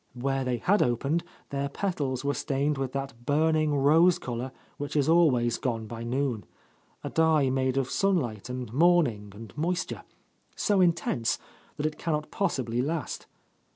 Where they had opened, their petals were stained with that burn ing rose colour which is always gone by noon, — a dye made of sunlight and morning and moisture, so intense that it cannot possibly last